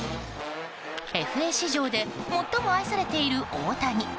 ＦＡ市場で最も愛されている大谷。